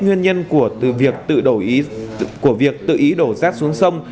nguyên nhân của việc tự ý đổ rác xuống sông